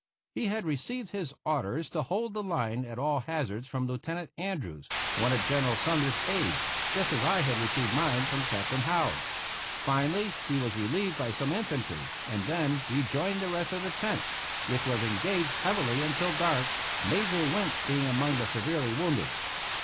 He had received his orders to hold the line at all hazards from Lieutenant Andrews, one of General Sumner's aides, just as I had received mine from Captain Howze. Finally, he was relieved by some infantry, and then rejoined the rest of the Tenth, which was engaged heavily until dark, Major Wint being among the severely wounded.